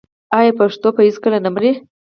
آیا پښتو به هیڅکله نه مري؟